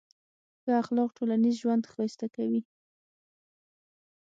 ښه اخلاق ټولنیز ژوند ښایسته کوي.